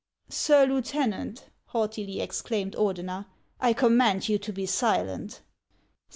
" Sir Lieutenant," haughtily exclaimed Ordener, " I com mand you to be silent